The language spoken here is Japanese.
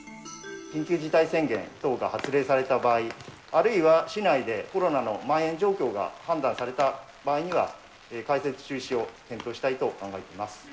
緊急事態宣言等が発令された場合、あるいは市内でコロナのまん延状況が判断された場合には、開設中止を検討したいと考えております。